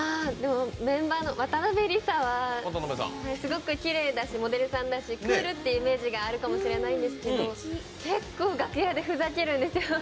渡邉理佐はすごくきれいだしモデルさんだしクールっていうイメージがあるかもしれないですけど結構、楽屋でふざけるんですよ。